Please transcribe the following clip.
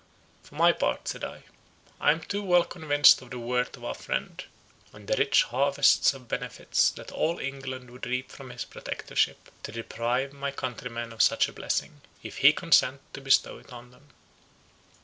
"For my part," said I, "I am too well convinced of the worth of our friend, and the rich harvest of benefits that all England would reap from his Protectorship, to deprive my countrymen of such a blessing, if he consent to bestow it on them."